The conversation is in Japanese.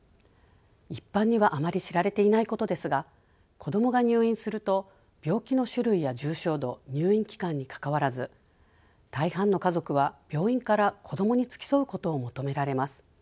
一般にはあまり知られていないことですが子どもが入院すると病気の種類や重症度入院期間にかかわらず大半の家族は病院から子どもに付き添うことを求められます。